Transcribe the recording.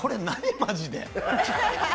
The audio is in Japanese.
マジで。